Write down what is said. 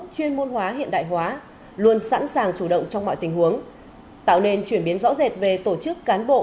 công tác khoa học hành sự luôn sẵn sàng chủ động trong mọi tình huống tạo nên chuyển biến rõ rệt về tổ chức cán bộ